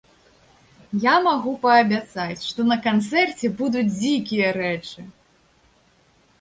Я магу паабяцаць, што на канцэрце будуць дзікія рэчы!